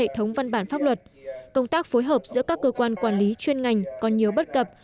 hệ thống văn bản pháp luật công tác phối hợp giữa các cơ quan quản lý chuyên ngành còn nhiều bất cập